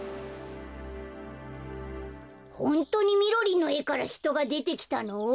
ホントにみろりんのえからひとがでてきたの？